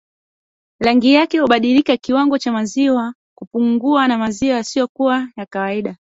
Rangi yake kubadilika kiwango cha maziwa kupungua na maziwa yasiyokuwa ya kawaida